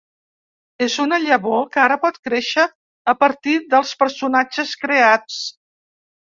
És una llavor que ara pot créixer a partir dels personatges creats.